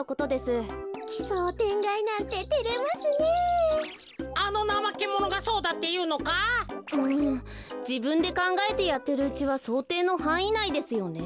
うんじぶんでかんがえてやってるうちはそうていのはんいいないですよねえ。